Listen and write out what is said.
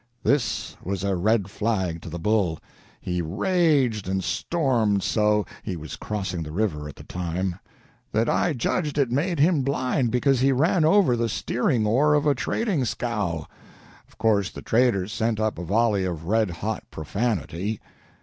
This was a red flag to the bull. He raged and stormed so (he was crossing the river at the time) that I judged it made him blind, because he ran over the steering oar of a trading scow. Of course the traders sent up a volley of red hot profanity.